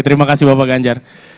terima kasih bapak ganjar